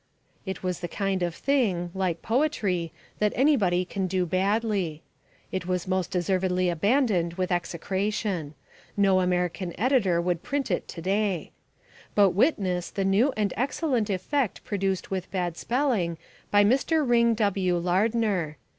It was the kind of thing like poetry that anybody can do badly. It was most deservedly abandoned with execration. No American editor would print it to day. But witness the new and excellent effect produced with bad spelling by Mr. Ring W. Lardner.